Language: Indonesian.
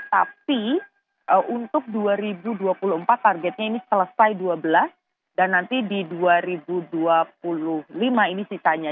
tapi untuk dua ribu dua puluh empat targetnya ini selesai dua belas dan nanti di dua ribu dua puluh lima ini sisanya